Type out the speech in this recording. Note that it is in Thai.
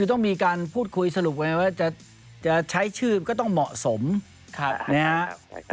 ต้องมีการผูกว่าจะใช้ชื่อก็ต้องเหมาะสมใช่ไหมครับ